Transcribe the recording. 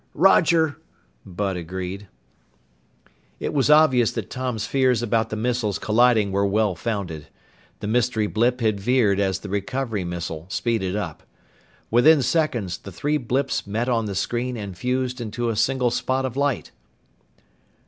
"Roger!" Bud agreed. It was obvious that Tom's fears about the missiles colliding were well founded. The mystery blip had veered as the recovery missile speeded up. Within seconds, the three blips met on the screen and fused into a single spot of light.